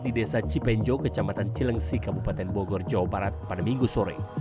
di desa cipenjo kecamatan cilengsi kabupaten bogor jawa barat pada minggu sore